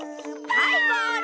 はいゴール！